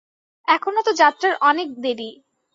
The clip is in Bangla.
এখনো তো যাত্রার অনেক দেরি।